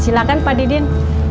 silahkan pak didin